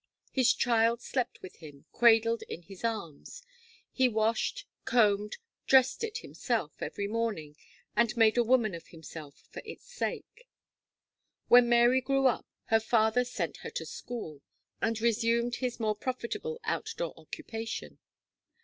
His child slept with him, cradled in his arms; he washed, combed, dressed it himself every morning, and made a woman of himself for its sake. When Mary grew up, her father sent her to school, and resumed his more profitable out door occupation.